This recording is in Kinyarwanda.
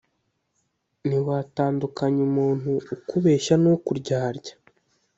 Ntiwatandukanya umuntu ukubeshya nukuryarya